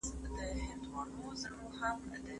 د ژوند بڼه بدله کړئ.